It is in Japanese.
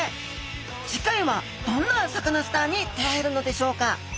次回はどんなサカナスターに出会えるのでしょうか？